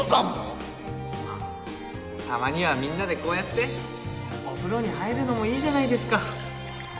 まあたまにはみんなでこうやってお風呂に入るのもいいじゃないですか。